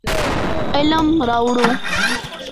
علم راوړو.